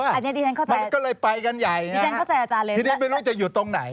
อันนี้ดิฉันเข้าใจดิฉันเข้าใจอาจารย์เลยทีนี้ไม่ต้องจะอยู่ตรงไหน